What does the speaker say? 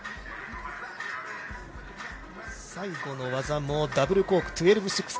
最後の技もダブルコーク１２６０。